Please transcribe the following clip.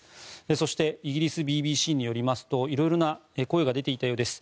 そしてイギリスＢＢＣによりますといろいろな声が出ていたようです。